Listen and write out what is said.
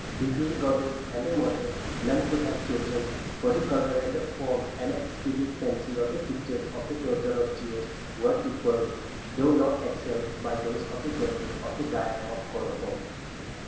Between goddess and mortal none could have chosen, for the colour and form and exquisite fancy of the pictures of the daughter of Zeus were equalled, though not excelled, by those of the daughter of the dyer of Colophon.